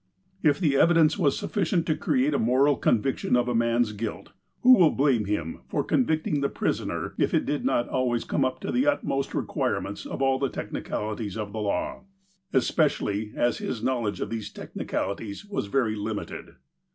If the evidence was sufficient to create a moral convic tion of a man's guilt, who will blame him for convicting the prisoner if it did not always come up to the utmost requirements of all the technicalities of the law, espe 200 THE APOSTLE OF ALASKA cially, as his knowledge of these technicalities was very limited